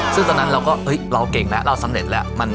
ซึ่งตอนนั้นเราก็เราเก่งแล้วเราสำเร็จแล้ว